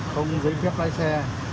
không giấy phép lái xe